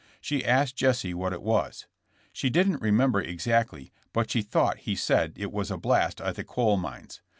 She asked Jesse what it was. She didn't remember exactly, but she thought he said it was a blast at the coal mines.